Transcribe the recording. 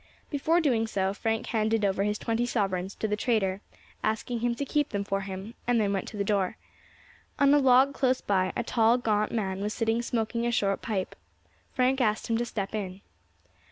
Before doing so, Frank handed over his twenty sovereigns to the trader, asking him to keep them for him, and then went to the door. On a log close by a tall, gaunt man was sitting smoking a short pipe. Frank asked him to step in.